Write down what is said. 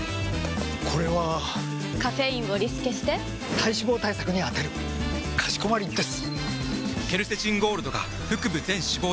これはカフェインをリスケして体脂肪対策に充てるかしこまりです！！